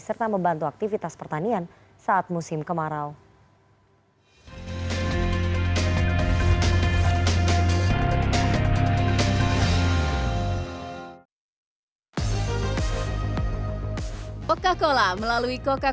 serta membantu aktivitas pertanian saat musim kemarau